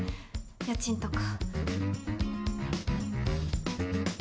家賃とか。